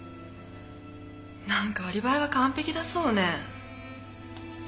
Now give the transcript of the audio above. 何かアリバイは完ぺきだそうね